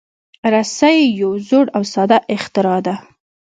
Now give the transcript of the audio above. رسۍ یو زوړ او ساده اختراع ده.